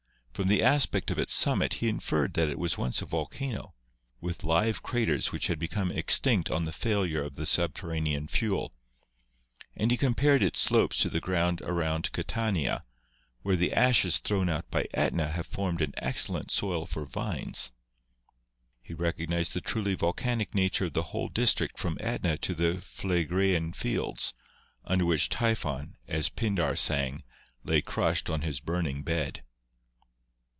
From the aspect of its summit he inferred that it was once a volcano, with live craters which had become extinct on the failure of the subterranean fuel, and he 12 GEOLOGY compared its slopes to the ground around Catania, where the ashes thrown out by Etna have formed an excellent soil for vines. He recognised the truly volcanic nature of the whole district from Etna to the Phlegraean Fields, under which Typhon, as Pindar sang, lay crushed on his burning bed.